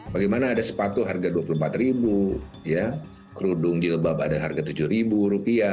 bagaimana ada sepatu harga rp dua puluh empat kerudung jilbab ada harga rp tujuh